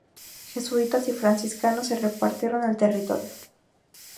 Jesuitas y franciscanos se repartieron el territorio.